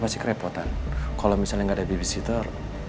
masih kerepotan kalau misalnya gak ada babysitter